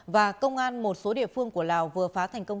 và công an một số địa phương của lào vừa phá thành công